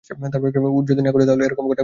যদি না-ঘটে তাহলে এ-রকম একটা গুজব কী করে রটল?